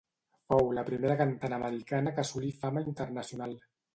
Fou la primera cantant americana que assolí fama internacional.